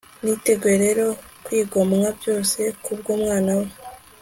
niteguye rero kwigomwa, byose kubwumwana we